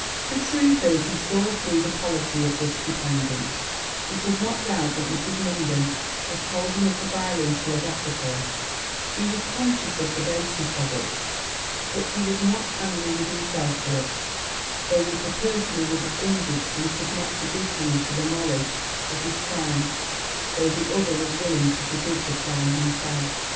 The truth is, he saw through the policy of this dependant he could not doubt but Mrs. Munden had told him of the violence he had offered to her he was conscious of the baseness of it; but he was not angry with himself for it, though with the person he would have injured; and could not forgive him for the knowledge of his crime, though the other was willing to forgive the crime itself.